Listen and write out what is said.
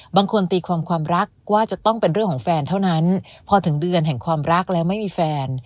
บางคนตีความความรักว่าจะต้องเป็นเรื่องของแฟนเท่านั้นพอถึงเดือนแห่งความรักแล้วไม่มีแฟน